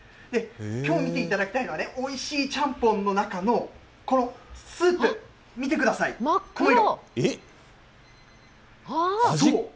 きょう見ていただきたいのはね、おいしいちゃんぽんの中の、このスープ、見てください、これ。